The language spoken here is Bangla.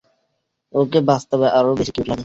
ওকে বাস্তবে আরও বেশি কিউট লাগে।